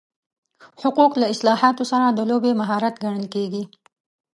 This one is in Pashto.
حقوق له اصطلاحاتو سره د لوبې مهارت ګڼل کېږي.